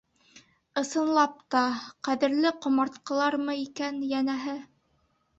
Ысынлап та, ҡәҙерле ҡомартҡылармы икән, йәнәһе?